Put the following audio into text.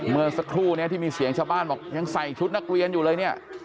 เมื่อสักครู่นี้ที่มีเสียงชาวบ้านบอกยังใส่ชุดนักเรียนอยู่เลยเนี่ย